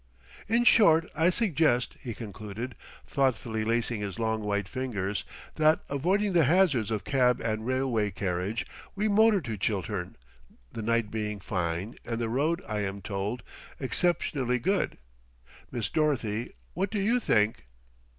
"In short, I suggest," he concluded, thoughtfully lacing his long white fingers, "that, avoiding the hazards of cab and railway carriage, we motor to Chiltern: the night being fine and the road, I am told, exceptionally good. Miss Dorothy, what do you think?"